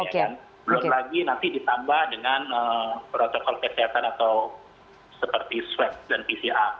belum lagi nanti ditambah dengan protokol kesehatan atau seperti swab dan pcr